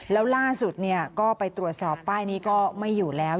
แล้วล่าสุดก็ไปตรวจสอบป้ายนี้ก็ไม่อยู่แล้ว